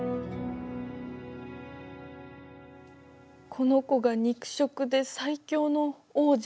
この子が肉食で最強の王者。